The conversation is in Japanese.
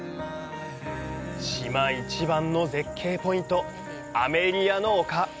島一番の絶景ポイント、アメリアの丘。